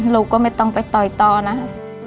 ลูกก็ไม่ต้องไปต่อยต่อนะครับ